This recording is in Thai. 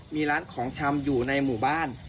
มีร้านของชำอยู่ในหมู่บ้าน